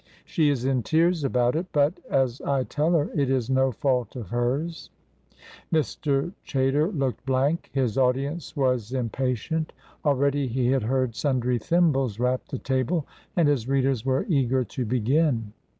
She is in tears about it, but, as I tell her, it is no fault of hers." Mr. Chaytor looked blank. His audience was impatient; already he had heard sundry thimbles rap the table, and his readers were eager to begin.